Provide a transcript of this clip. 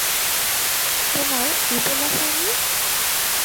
তোমার ইবোলা হয়নি।